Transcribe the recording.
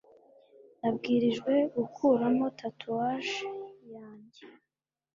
nabwirijwe gukuramo tatouage yanjye